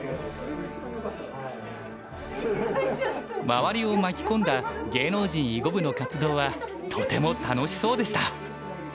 周りを巻き込んだ芸能人囲碁部の活動はとても楽しそうでした。